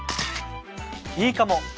いいかも！